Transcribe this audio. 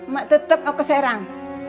mak tetap mau ke serang